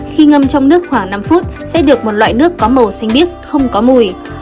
khi ngâm trong nước khoảng năm phút sẽ được một loại nước có màu xanh biếc không có mùi